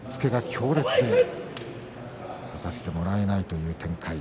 強烈で差させてもらえないという展開。